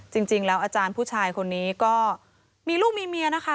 จริงแล้วอาจารย์ผู้ชายคนนี้ก็มีลูกมีเมียนะคะ